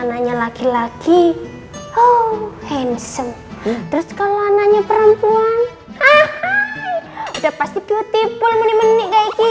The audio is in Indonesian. anaknya laki laki oh handsome terus kalau anaknya perempuan udah pasti putih pul menik menik kayak